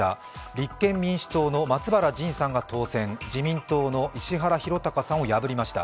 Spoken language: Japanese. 立憲民主党の松原仁さんが当選、自民党の石原宏高さんを破りました。